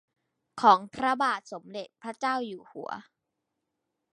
ของพระบาทสมเด็จพระเจ้าอยู่หัว